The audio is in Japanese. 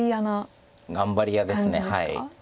頑張り屋です。